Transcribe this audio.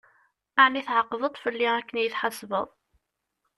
Ɛni tεeqdeḍ-t fell-i akken ad yi-d-tḥesbeḍ?